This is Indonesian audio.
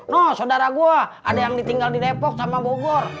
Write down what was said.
nuh saudara gua ada yang tinggal di depok sama bogor